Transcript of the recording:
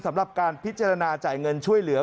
สำหรับการพิจารณาจ่ายเงินช่วยเหลือ